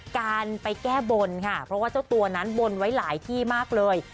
การไปแก้บนค่ะเพราะว่าเจ้าตัวนั้นบนไว้หลายที่มากเลย